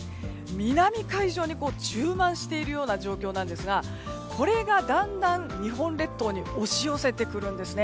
南海上に充満しているような状況なんですがこれがだんだん日本列島に押し寄せてくるんです。